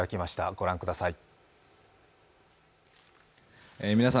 ご覧ください。